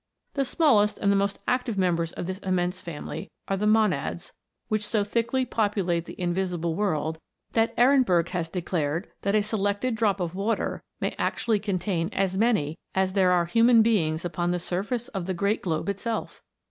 The smallest and the most active members of this immense family are the Monads, which so thickly populate the invisible world, that Ehrenberg has declared that a selected drop of water may actually contain as many as there are human beings upon the surface of the great globe itself